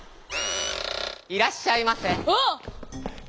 いらっしゃいませ。